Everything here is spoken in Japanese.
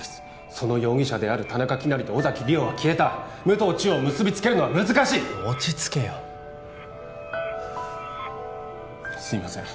その容疑者である田中希也と尾崎莉桜は消えた武藤千代を結びつけるのは難しい落ち着けよすみません